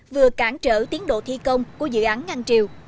vừa cản trở tiến độ thi công của dự án ngăn triều